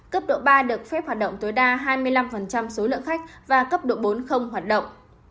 cấp độ ba được phép hoạt động tối đa hai mươi năm số lượng khách và cấp độ bốn hoạt động